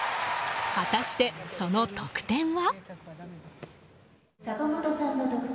果たしてその得点は。